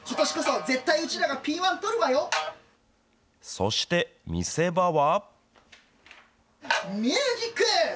そして、見せ場は。